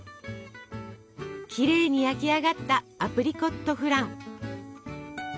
きれいに焼き上がったアプリコットフラン。